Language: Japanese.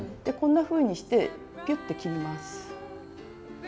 こんなふうにしてピュッて切ります。